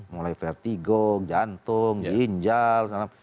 mulai vertigo jantung ginjal